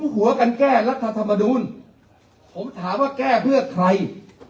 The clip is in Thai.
หัวกันแก้รัฐธรรมนูลผมถามว่าแก้เพื่อใคร